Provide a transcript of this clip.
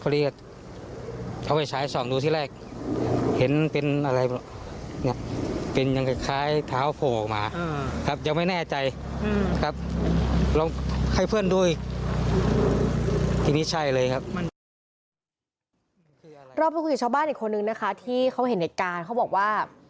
เราไปคุยกับชาวบ้านอีกคนนึงนะคะที่เขาเห็นเหตุการณ์เขาบอกว่า